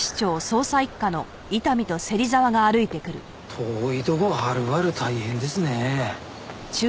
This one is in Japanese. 遠いとこはるばる大変ですね。